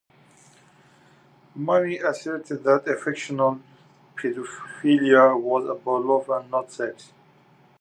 Money asserted that affectional pedophilia was about love and not sex.